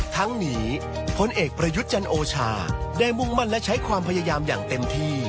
ทั้งนี้พลเอกประยุทธ์จันโอชาได้มุ่งมั่นและใช้ความพยายามอย่างเต็มที่